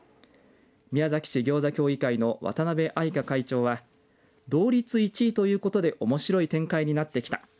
宮崎市ぎょうざ協議会の渡辺愛香会長は同率１位ということでおもしろい展開になってきた。